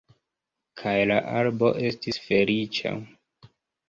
Kaj la arbo estis feliĉa.